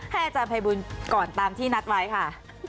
อาจารย์ภัยบูลก่อนตามที่นัดไว้ค่ะ